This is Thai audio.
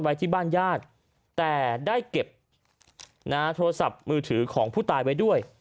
ไว้ที่บ้านญาติแต่ได้เก็บโทรศัพท์มือถือของผู้ตายไว้ด้วย